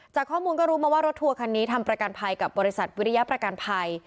จากข้อมูลก็รู้มาว่ารถทัวร์คันนี้ทำประกันภัยกับบริษัทวิริยประกันภัย